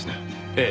ええ。